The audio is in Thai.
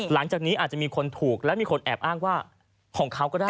หลังจากนี้อาจจะมีคนถูกและมีคนแอบอ้างว่าของเขาก็ได้